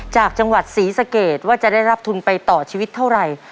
จากจังหวัดศรีสะเกดว่าจะได้รับทุนไปต่อชีวิตเท่าไหร่